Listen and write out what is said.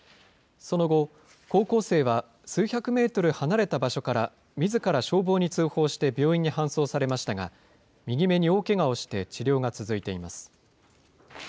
その後、高校生は数百メートル離れた場所からみずから消防に通報して、病院に搬送されましたが、右目に大けがをして治療が続いています。